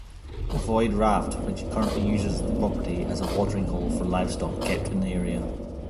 Ovoid raft, which currently uses the property as a watering hole for livestock kept in the area.